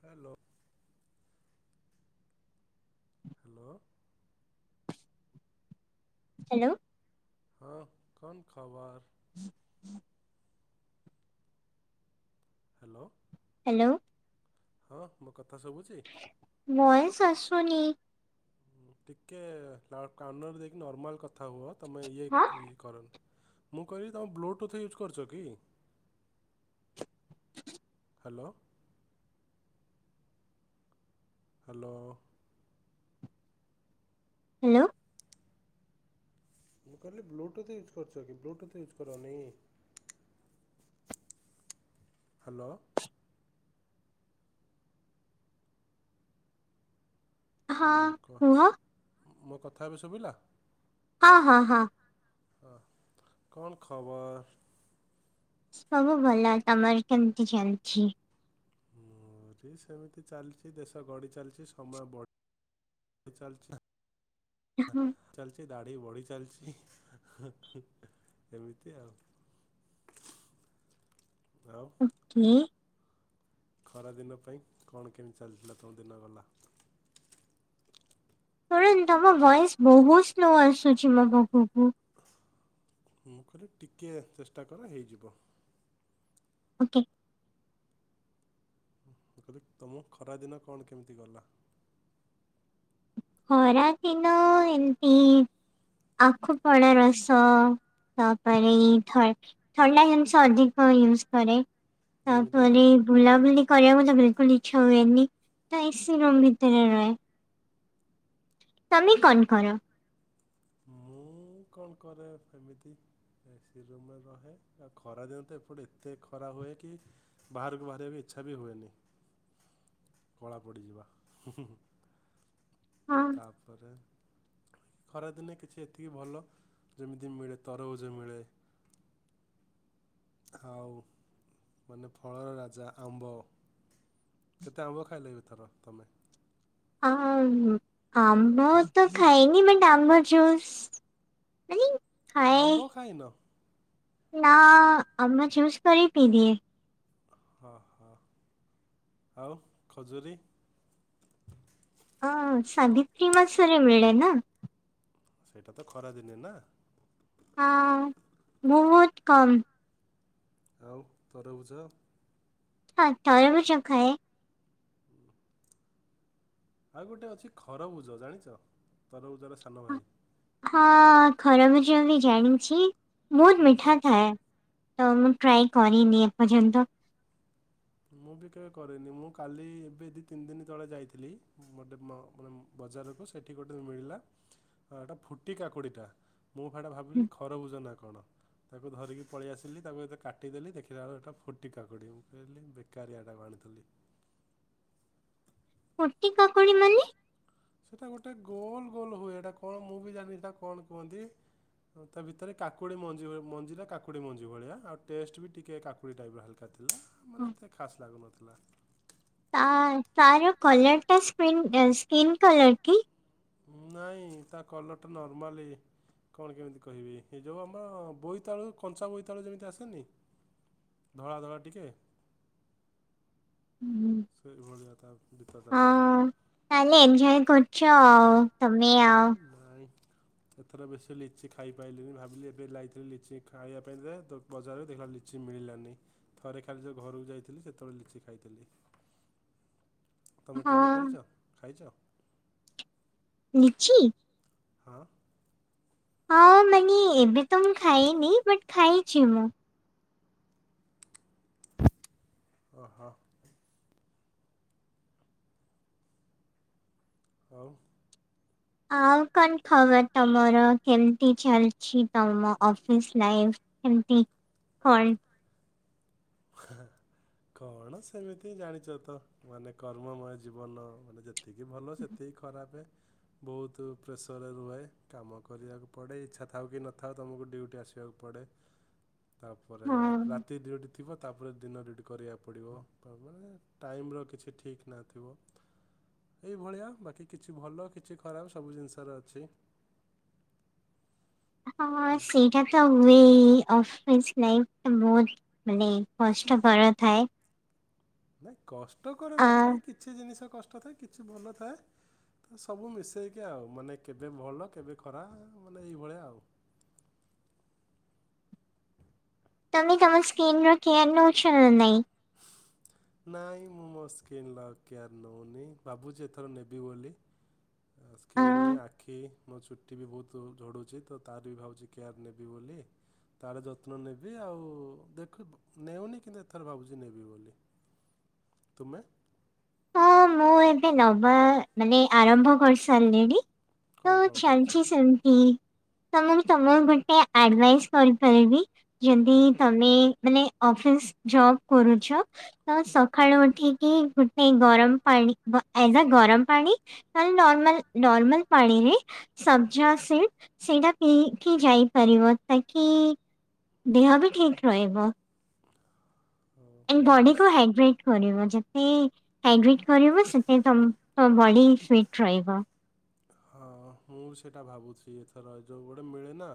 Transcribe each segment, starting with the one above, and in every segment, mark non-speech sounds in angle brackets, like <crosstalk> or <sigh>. Hello. Hello. Hello. ହଁ କଣ ଖବର? <inaudible> ହ୍ୟାଲୋ। ହ୍ୟାଲୋ। ହଁ ମୋ କଥା ଶୁଭୁଛି। ଭଏସ୍ ଆସୁନି। ହଁ ଟିକେ <unintelligible> କାନର ଦେଇକି ନର୍ମାଲ କଥା କଥା ହୁଅ ତମେ ଇଏ ଇ କରନ ମୁଁ କହିଲି ତୁମେ ବ୍ଲୁଟୁଥ୍ ୟୁଜ୍ କରୁଛ କି? ହ୍ୟାଲୋ। ହ୍ୟାଲୋ। ହ୍ୟାଲୋ। ମୁଁ କହିଲି ବ୍ଲୁଟୁଥ୍ ୟୁଜ୍ କରୁଛ କି ବ୍ଲୁଟୁଥ୍ ୟୁଜ୍ କରନି। ହ୍ୟାଲୋ। ମୁଁ କ ମୋ କଥା ଏବେ ଶୁଭିଲା। ହଁ ହଁ ହଁ। ହଁ କଣ ଖବର? ସବୁ ଭଲ ତମର କେମତି ଚାଲିଛି? ମୋର ସେମିତି ଚାଲିଛି ଦେଶ ଗଢ଼ି ଚାଲିଛି ସମୟ ବଢିଢ ଚାଲିଛି। <unintelligible> ଚାଲିଛି ଦାଢି ବଢି ଚାଲିଛି ଏମିତି ଆଉ। <unintelligible> ହୁଁ। ଖରା ଦିନ ପାଇଁ କଣ କେମିତି ଚାଲିଥିଲା ତମ ଦିନ ଗଲା। <unintelligible> ତମ ଭଏସ ବହୁତ ସ୍ଲୋ ଆସୁଛି ମୋ ପାଖକୁ। ମୁଁ କହିଲି ଟିକେ ଚେଷ୍ଟା କର ହେଇଯିବ। ଓକେ। ମୁ କହିଲି ତୁମ ଖରାଦିନ କଣ କେମିତି ଗଲା? ଖରା ଦିନ ଏମିତି ଆଖୁପଣା ରସ ତାପରେ ଥ ଥଣ୍ଡା ଜିନଷ ଅଧିକ ୟୁଜ କରେ। ଯେମିତିକି ତାପରେ ବୁଲାବୁଲି କରିବାକୁ ମତେ ବିଲକୁଲ ଇଚ୍ଛା ହୁଏନି ତ ଏସି ରୁମ୍ ଭିତରେ ରୁହେ। ତମେ କଣ କର? ମୁଁ କଣ କରେ ଏମିତି। ଏସି ରୁମେ ରହେ ଆଉ ଖରା ଦିନ ତ ଏପଟେ ଏତେ ଖରା ହୁଏ କି ବାହାରକୁ ବାହାରିବା ବି ଇଚ୍ଛା ବି ହୁଏନି କଳା ପଡ଼ିଯିବା। ହଁ ତାପରେ ଖରାଦିନେ କିଛି ଏତିକି ଭଲ ଯେମିତି ମିଳେ ତରଭୁଜ ମିଳେ। ଆଉ ମାନେ ଫଳର ରାଜା ଆମ୍ବ। କେତେ ଆମ୍ବ ଖାଇଲେ ଏଥର ତମେ? ଆ ଆମ୍ୱ ତ ଖାଇନି ବଟ୍ ଆମ୍ୱଜୁସ <unintelligible> ଆମ୍ବ ଖାଇନ। ନା ଆମ୍ବ ଜୁସ କରି ପିଇଁଦିଏ। ହଁ ହଁ ଆଉ ଖଜୁରୀ। ଅ ସାବିତ୍ରୀ ମାସରେ ମିଳେ ନା। ସେଇଟା ତ ଖରାଦିନେ ନା? ହଁ ବହୁତ୍ କମ୍। ଆଉ ତରଭୁଜ। ହଁ ତରଭୁଜ ଖାଏ। ହୁଁ ଆଉ ଗୋଟେ ଅଛି ଖରଭୁଜ ଜାଣିଚ, ତରଭୁଜର ସାନ ଭାଇ। ହଁ ଖରଭୁଜ ବି ଜାଣିଚି ବହୁତ୍ ଖାଇଛ ମିଠା ଥାଏ। ତ ମୁଁ ଟ୍ରାଏ କରିନି ଏପର୍ଯ୍ୟନ୍ତ। ମୁଁ ବି କେବେ କରିନି ମୁଁ କାଲି ଏବେ ଦି ତିନି ଦିନି ତଳେ ଯାଇଥିଲି ମୋତେ ମ ମାନେ ବଜାରକୁ ସେଠି ଗୋଟେ ମିଳିଲା ଏଟା ଫୁଟି କାକୁଡ଼ିଟା। ମୁଁ ହେଟା ଭାବିଲି ଖରଭୁଜ ନା କଣ? ତାକୁ ଧରିକି ପଳିଆସିଲି ତା ପରେ ତାକୁ କାଟିଦେଲି ଦେଖିଲାବେଳୁ ଏଟା ଫୁଟି କାକୁଡ଼ି ମୁଁ କହିଲି ବେକାରିଆ ଟାକୁ ଆଣୁଥିଲି। ଫୁଟି କାକୁଡି ମାନେ ସେଟା ଗୋଟେ ଗୋଲ ଗୋଲ ହୁଏ। ଏଟା କଣ ମୁଁ ବି ଜାଣିନି ହେଟା କୁ କଣ କୁହନ୍ତି? ହ ତା ଭିତରେ କାକୁଡି ମଞ୍ଜି ହୁଏ। ମଞ୍ଜି ଟା କାକୁଡ଼ି ମଞ୍ଜି ଭଳିଆ ଆଉ ଟେଷ୍ଟବି ଟିକେ କାକୁଡି ଟାଇପ୍ ର ହାଲକା। ଥିଲା ମାନେ ଏତେ ଖାସ୍ ଲାଗୁନଥିଲା। ତା ତାର କଲରଟା ସ୍କ୍ରିନ୍ ଏ ସ୍କ୍ରିନ୍ କଲର୍ କି? ନାଇଁ ତା କଲରଟା ନର୍ମାଲି ଇଏ କଣ କେମିତି କଇବି? ହେଇ ଯୋଉଁ ଆମର ବୋଇତାଳୁ କଞ୍ଚା ବୋଇତାଳୁ ଯେମିତି ଆସେନି? ଧଳା ଧଳା ଟିକେ ସେଇଭଳିଆ ତା ଭିତରତା ଥିଲା। ତାହାଲେ ଏଞ୍ଜୟ୍ କରୁଚ ଆଉ ତମେ ଆଉ ଆରେ ନାଇଁ ଏଥର ବେଶୀ ଲିଚି ଖାଇପାଇଲିନି ଭାବିଲି ଏବେ ଯାଇଥିଲି ଲିଚି ଖାଇବା ପାଇଁ ଯେ ତ ବଜାରରେ ଦେଖିଲାବେଳୁ ଲିଚି ମିଳିଲାନି। ଥରେ ଖାଲି ଯୋଉ ଘରକୁ ଯାଇଥିଲି ସେତେବେଳେ ଲିଚି ଖାଇଥିଲି। ତମେ ହଁ ଟ୍ରାଏ କରିଚ ଖାଇଚ? ଲିଚି। ହଁ। ହଁ ମାନେ ଏବେ ତ ମୁଁ ଖାଇନି ବଟ୍ ଖାଇଚି ମୁଁ। ଓହୋ। ଆଉ। ଆଉ କଣ ଖବର ତମର କେମିତି ଚାଲଚି? ତମ ଅଫିସ୍ ଲାଇଫ୍ କେମିତି କଣ? ହେ କଣ ସେମିତି ଜାଣିଚ ତ ମାନେ କର୍ମମୟ ଜୀବନ ମାନେ ଯେ ଯେତିକି ଭଲ ସେତିକି ଖରାପେ। ବହୁତୁ ପ୍ରେସର ରେ ରୁହେ। କାମ କରିବାକୁ ପଡ଼େ ଇଚ୍ଛା ଥାଉ କି ନଥାଉ ତମକୁ ଡ୍ୟୁଟି ଆସିବାକୁ ପଡ଼େ। ତା ପରେ ହଁ ରାତି ଡ୍ୟୁଟି ଥିବ ତାପରେ ଦିନ ଡ୍ୟୁଟି କରିବା ପଡ଼ିବ। ତାପରେ ଟାଇମ୍ ର କିଛି ଠିକ୍ ନା ଥିବ। ଏଇଭଳିଆ ବାକି କିଛି ଭଲ କିଛି ଖରାପ ସବୁ ଜିନିଷ ରେ ଅଛି। ହଁ ହୁଁ। ସେଇଟା ଭି ତ ହୁହେହି ଅଫିସ୍ ଲାଇଫ୍ ବହୁତ ମାନେ କଷ୍ଟକର ଥାଏ। ନାଇଁ କଷ୍ଟକରେ ଆ ନଥାଏ, କିଛି ଜିନିଷ କଷ୍ଟ ଥାଏ କିଛି ଭଲ ଥାଏ - ସବୁ ମିସେଇକି ଆଉ ମାନେ କେବେ ଭଲ କେବେ ଖରା ମାନେ ଏଇ ଭଳିଆ ଆଉ। ତମେ ତମ ସ୍କିିନର କେୟାର୍ ନଉଛନା ନାଇଁ? <inaudible> ନାଇଁ ମୁଁ ମୋ ସ୍କିିନର କେୟାର୍ ନୋଉନି, ଭାବୁଚି ଏଥର ନେବି ବୋଲି ଅ ସ୍କିିଲ୍ ନି ଆଖି ମୋ ଚୁଟି ବି ବହୁତ୍ ଝଡୁଚି ତ ତାର ବି ଭାବୁଚି କେୟାର ନେବି ବୋଲି - ତାର ଯତ୍ନ ନେବି ଆଉ ଦେଖ ନେଉନି କିନ୍ତୁ ଏଥର ଭାବୁଚି ନେବି ବୋଲି। ତୁମେ? ହଁ ମୁଁ ଏବେ ନବା ମାନେ ଆରମ୍ଭ କରି ସାରିଲିଣି କଣ ତ କଣ କରୁଛ ଚାଲିଛି ସେମିତି - ତା ମାନେ ତମକୁ ଗୋଟେ ଆଡଭାଇସ୍ କରିପାରିବି ଯଦି କଣ ତମେ ମାନେ ଅଫିସ ଯବ୍ କରୁଛ ତ ସଖାଳୁ ଉଠିକି ଗୁଟ - ନାଇ ଗରମ ପାଣି ଆଇଦର୍ ଗରମ ପାଣି ନହେଲେ ନର୍ମାଲ ନର୍ମାଲ ପାଣିରେ ସବ୍ଜଏସିଡ ସେଇଟା ପିଇକି ଯାଇପାରିବ ତାକି ଦେହ ବି ଠିକ୍ ରହିବ - ହଉ ମୁଁ ବଡିିକୁ ବି ହାଇଡ୍ରେଟ କରିବ ଯେତି ହାଇଡ୍ରେଟ୍ କରିବ ସେତେ ତମ ତମ ବଡି ଫିଟ୍ ରହିବ। ହଁ ମୁଁ ସେଇଟା ଭାବୁଛି ଏଥର ଯୋଉ ଗୋଟେ ମିଳେ ନା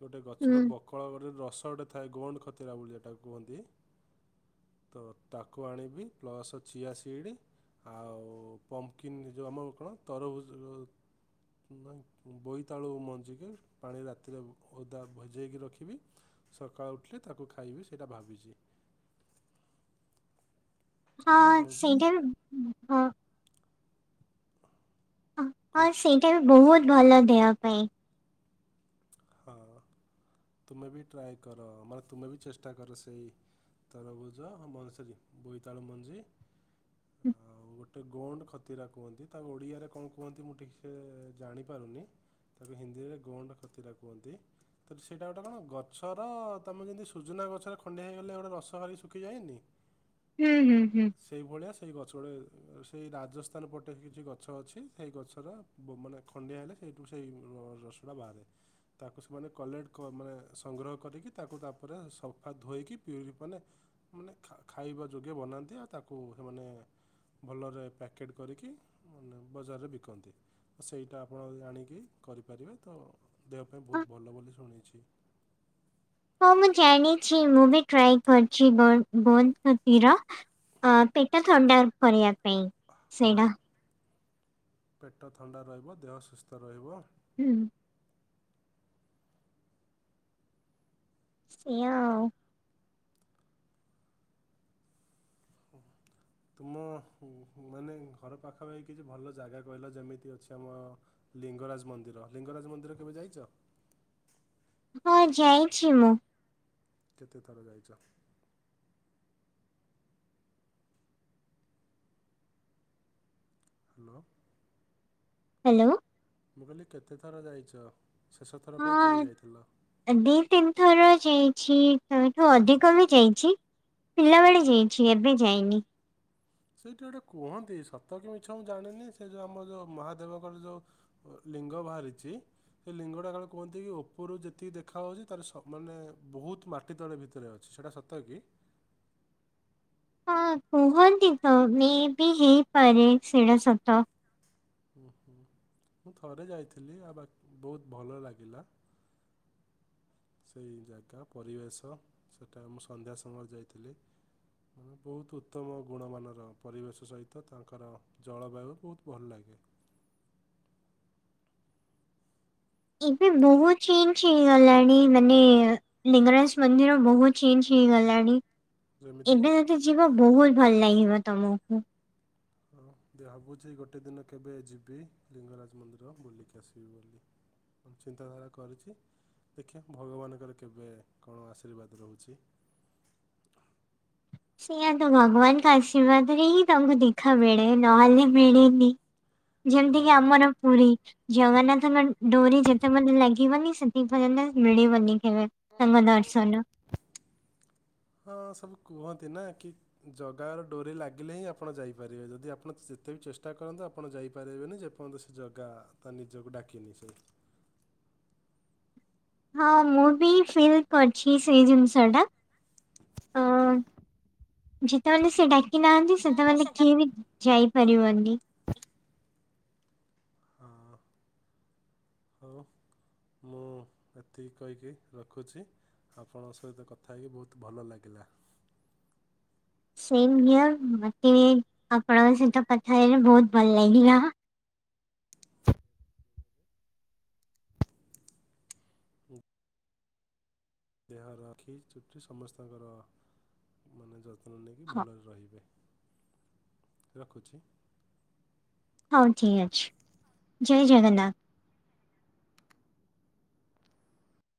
ଗୋଟେ ହୁଁ ଗଛର ବ କଳ କରିଦେଲେ ରେ ରସ ଗୋଟେ ଥାଏ ଗୋଣ୍ଡ ଖତିରା ଭଳି ଏଟାକୁ କୁହନ୍ତି - ତ ତାକୁ ଆଣିବି ପ୍ଲସ୍ ଚିଆ ସିଇଡ଼ି - ଆଉ ପମ୍ପକିନ୍ ଯୋଉ ଆମର କଣ ତରୁଭୁଜ ମାନେ ବୋଇତାଳୁ ମଞ୍ଜିକି ପାଣି ରାତିରେ ଓଦା ଭଜେଇକି ରଖିବି - ସକାଳୁ ଉଠିଲେ ତାକୁ ଖାଇବି ସେଇଟା ଭାବିଛି। ନାଇଁ ହଁ ମୁଁ ସେଇଟା ହଁ। ହଁ କୁହ ସେଇଟା ବି ବହୁତ ଭଲ ଦେହ ପାଇଁ - ହଁ ତୁମେ ବି ଟ୍ରାଏ କର ମାନେ ତୁମେ ବି ଚେଷ୍ଟା କର ସେଇ ତରଭୁଜ ଆମର ସେଇ ବୋଇତାଳୁ ମଞ୍ଜି ଆଉ <unintelligible> ଗୋଟେ ଗୋଣ୍ଡ ଖତିରା କୁହନ୍ତି ତାକୁ ଓଡିଆରେ କଣ କୁହନ୍ତି ମୁଁ ଠିକସେ ଜାଣିପାରୁନି - ତାକୁ ହିନ୍ଦୀରେ ଗୋଣ୍ଡ ଖତିରା କୁହନ୍ତି - ତ ସେଇଟା ଗୋଟେ କଣ ଗଛର ତମେ ଯେମିତି ସୁଜୁନା ଗଛରେ ଖଣ୍ଡିଆ ହେଇଗଲେ ଗୋଟେ ରସଗାରି ଶୁଖିଯାଏନି - <unintelligible> ହୁଁ ହୁଁ ହୁଁ - ସେଇଭଳିଆ ସେଇ ଗଛ ଗୁଡ଼େ ସେଇ ରାଜସ୍ଥାନ ପଟେ କିଛି ଗଛ ଅଛି ସେଇ ଗଛର ଗୋ ମାନେ ଖଣ୍ଡିଆ ହେଲେ ସେଇଠୁ ସେଇ ରସଟା ବାହାରେ। ତାକୁ ସେମାନେ କଲେକ୍ଟ କ ମାନେ ସଂଗ୍ରହ କରିକି ତାକୁ ତାପରେ ସଫା ଧୋଇକି ପିୟୁରି କଲେ ମାନେ ଖା ଖାଇବା ଯୋଗେ ବନାନ୍ତି ଆଉ ତାକୁ ସେମାନେ ଭଲରେ ପ୍ୟାକେଟ୍ କରିକି ମାନେ ବଜାରରେ ବିକନ୍ତି। ତ ସେଇଟା ଆପଣ ଆଣିକି କରିପାରିବେ ତ ଦେହ ପାଇଁ ହଁ ବହୁତ ଭଲ ବୋଲି ଶୁଣିଛି। ହଁ ମୁଁ ଜାଣିଛି ମୁଁ ବି ଟ୍ରାଏ କରିଛି ବନ୍ଦ୍ ବନ୍ଦତିର ହଁ ପେଟ ଥଣ୍ଡା କରିବା ପାଇଁ। ହଁ ସେଇଟା ପେଟ ଥଣ୍ଡା ରହିବ, ଦେହ ସୁସ୍ଥ ରହିବ - ହୁଁ ଏଇଆ ଆଉ। <unintelligible> ତୁମ ମାନେ ଘର ପାଖପାଖି କିଛି ଭଲ ଜାଗା କହିଲ ଯେମିତି ଅଛି ଆମ ଲିଙ୍ଗରାଜ ମନ୍ଦିର, ଲିଙ୍ଗରାଜ ମନ୍ଦିର କେବେ ଯାଇଛ? ହଁ ଯାଇଛି ମୁଁ। କେତେ ଥର ଯାଇଛ? ହାଲୋ। ହାଲୋ। ମୁଁ କହିଲି କେତେ ଥର ଯାଇଛ, ଶେଷ ଥର ପାଇଁ କେବେ ହଁ ଯାଇଥିଲ? ଦି ତିନିଥର ଯାଇଛି ତାଠୁ ଅଧିକ ବି ଯାଇଛି। ପିଲାବେଳେ ଯାଇଛି ଏବେ ଯାଇନି। ସେଇଠି ଗୋଟେ କୁହନ୍ତି ସତ କି ମିଛ ମୁଁ ଜାଣିନି ସେ ଯୋଉ ଆମ ଯୋଉ ମହାଦେବଙ୍କର ଯୋଉ ଲିଙ୍ଗ ବାହାରିଛି ସେ ଲିଙ୍ଗଟା କାଳେ କୁହନ୍ତି କି ଉପରୁ ଯେତିକି ଦେଖାହଉଛି ତାର ମାନେ ବହୁତ ମାଟି ତଳେ ଭିତରେ ଅ ଛି ସେଟା ସତ କି? ହଁ କୁହନ୍ତି ତ ମେ ବି ହେଇପାରେ ସେଡା ସତ। ହୁଁ ହୁଁ ମୁଁ ଥରେ ଯାଇଥିଲି ଆଉ ବାକ ବହୁତ ଭଲ ଲାଗିଲା। ସେଇ ଜାଗା ପରିବେଶ ସେଇଟା ମୁଁ ସନ୍ଧ୍ୟା ସମୟରେ ଯାଇଥିଲି। ଉଁ ବହୁତ ଉତ୍ତମ ଗୁଣମାନର ପରିବେଶ ସହିତ ତାଙ୍କର ଜଳବାୟୁ ବହୁତ ଭଲ ଲାଗେ। ଏବେ ବହୁତ ଚେଞ୍ଜ ହେଇଗଲାଣି ମାନେ ଲିଙ୍ଗରାଜ ମନ୍ଦିର ବହୁତ ଚେଞ୍ଜ ହେଇଗଲାଣି। ଯେମିତିକି ଏବେ ଯଦି ଯିବ ବହୁତ ଭଲ ଲାଗିବ ତମକୁ। ହଁ ଦେ ଭାବୁଛି ଗୋଟେ ଦିନ କେବେ ଯିବି ଲିଙ୍ଗରାଜ ମନ୍ଦିର ବୁଲିକି ଆସିବି ବୋଲି। ମୁଁ ଚିନ୍ତାଧାରା କରିଚି ଦେଖିବା ଭଗବାନଙ୍କର କେବେ କଣ ଆଶୀର୍ବାଦ ରହୁଚି। ସେୟା ତ ଭଗବାନଙ୍କ ଆଶୀର୍ବାଦରେ ହିଁ ତାଙ୍କୁ ଦେଖା ମିଳେ ନହେଲେ ମିଳେନି। ଯେମତି ହଁ କି ଆମର ପୁରୀ ଜଗନ୍ନାଥ ମ ଡୋରି ଯେତେପର୍ଯନ୍ତ ଲାଗି ବନି ସେଥି ପଯ୍ୟନ୍ତ ମିଳିବନି କେବେ। ତାଙ୍କ ଦର୍ଶନ <unintelligible> ହଁ ସବୁ କୁହନ୍ତି ନା କି ଜଗାର ଡୋରି ଲାଗିଲେ ହିଁ ଆପଣ ଯାଇପାରିବେ ଯଦି ଆପଣ ଯେତେ ବି ଚେଷ୍ଟା କରନ୍ତୁ ଆପଣ ଯାଇପାରିବେନି ଯେ ପନ୍ତ ସେ ଜଗା ତା ନିଜକୁ ଡାକିନି ସେଠି। ହଁ ମୁଁ ବି ଫିଲ୍ କରିଚି ସେଇ ଜିନିଷ ଟା। ଅ ଯେତେପର୍ଜନ୍ତ୍ ସେ ଡାକି ନାହାନ୍ତି ହଁ ସେତେପର୍ଯନ୍ତ କିଏ ବି ଯାଇ ପାରିିବନି। ହଁ ହଉ। ମୁଁ ଏତିକି କହିକି ରଖୁଛି। ଆପଣଙ୍କ ସହିତ କଥା ହେଇକି ବହୁତ୍ ଭଲ ଲାଗିଲା। ସେମ ହିଅର୍ ମତେବି ଆପଣଙ୍କ ସହିତ କଥା ହେଇକି ବହୁତ ଭଲ ଲାଗିଲା। ଦେହରଖି ଚୁପିସ୍ ସମସ୍ତଙ୍କର ମାନେ ଯ ଯତ୍ନ ନେଇକି ହଉ ଭଲରେ ରହିବେ ରଖୁଚି। ହଉ ଠିକ୍ ଅଛି ଜୟ ଜଗନ୍ନାଥ।